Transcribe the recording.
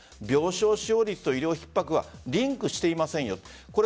病床使用率と医療ひっ迫はリンクしていませんよと。